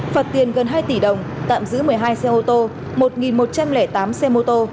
phạt tiền gần hai tỷ đồng tạm giữ một mươi hai xe ô tô một một trăm linh tám xe mô tô